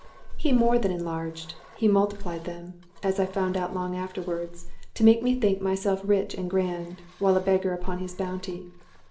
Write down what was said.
He more than enlarged, he multiplied them, as I found out long afterward, to make me think myself rich and grand, while a beggar upon his bounty.